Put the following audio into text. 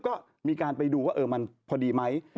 ก็มีการไปดูว่ามันพอดีไหม